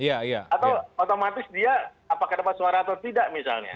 atau otomatis dia apakah dapat suara atau tidak misalnya